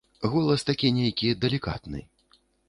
Голас такі нейкі далікатны.